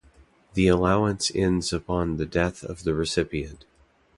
The allowance ends upon the death of the recipient.